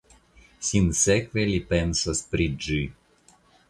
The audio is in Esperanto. Sinsekve li pensas pri ĝi.